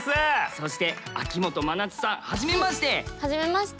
そして秋元真夏さんはじめまして。